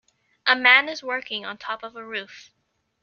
A man is working on top of a roof.